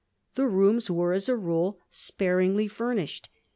The rooms were, as a rule, sparingly fur nished.